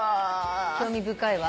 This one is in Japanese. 興味深いわ。